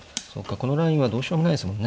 このラインはどうしようもないですもんね。